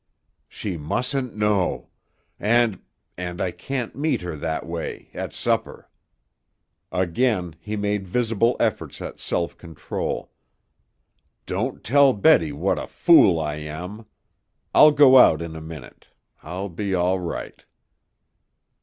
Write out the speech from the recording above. "She mustn't know. And and I can't meet her that way, at supper." Again he made visible efforts at self control. "Don't tell Betty what a fool I am. I'll go out a minute. I'll be all right."